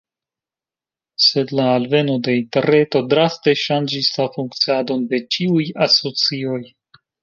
Sed la alveno de interreto draste ŝanĝis la funkciadon de ĉiuj asocioj.